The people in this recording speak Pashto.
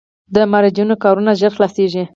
د مراجعینو کارونه ژر خلاصیږي؟